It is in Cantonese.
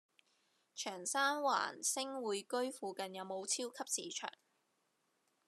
長沙灣星匯居附近有無超級市場？